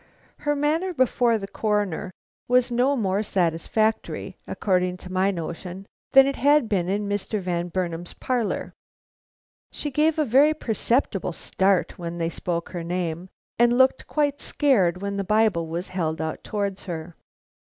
Her manner before the Coroner was no more satisfactory, according to my notion, than it had been in Mr. Van Burnam's parlor. She gave a very perceptible start when they spoke her name, and looked quite scared when the Bible was held out towards her.